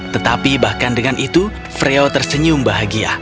tetapi bahkan dengan itu freo tersenyum bahagia